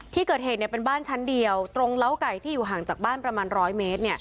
ที่เกิดเหตุเป็นบ้านชั้นเดียวตรงเล้าไก่ที่อยู่ห่างจากบ้านประมาณ๑๐๐เมตร